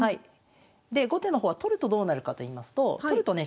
で後手の方は取るとどうなるかといいますと取るとね